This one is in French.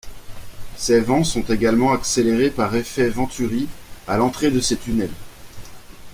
Ces vents sont également accélérés par effet Venturi à l'entrée de ces tunnels.